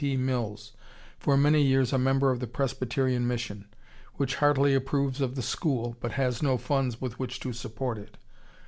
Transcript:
T. Mills, for many years a member of the Presbyterian Mission, which heartily approves of the school, but has no funds with which to support it.